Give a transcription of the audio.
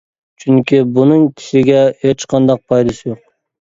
چۈنكى بۇنىڭ كىشىگە ھېچقانداق پايدىسى يوق.